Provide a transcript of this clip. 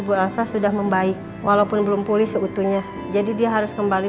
bu elsa sudah membaik walaupun belum pulih seutuhnya jadi dia harus kembali